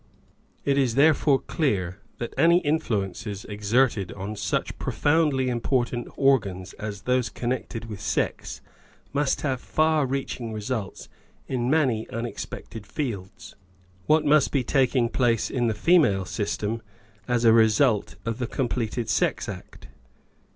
It is therefore clear that any influences exerted on such profoundly important organs as those connected with sex must have far reaching results in many unexpected fields. What must be taking place in the female system as a result of the completed sex act